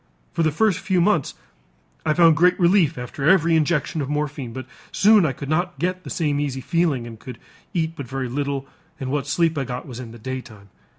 For the first few months, I found great relief after every injection of morphine, but soon I could not get the same easy feeling and could eat but very little and what sleep I got was in the daytime.